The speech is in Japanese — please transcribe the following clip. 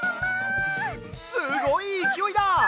すごいいきおいだ！